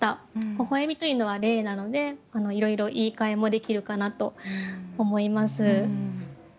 微笑みというのは例なのでいろいろ言いかえもできるかなと思います。